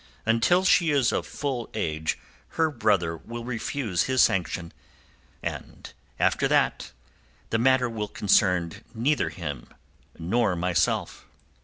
Until she is of full age her brother will refuse his sanction. After that, the matter will concern neither him nor myself."